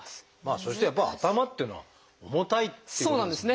そしてやっぱ頭っていうのは重たいっていうことですよね。